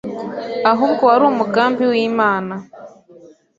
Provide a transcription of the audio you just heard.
ahubwo wari umugambi w’Imana,